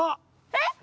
えっ！